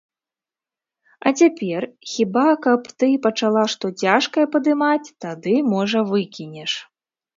А цяпер, хіба каб ты пачала што цяжкае падымаць, тады, можа, выкінеш.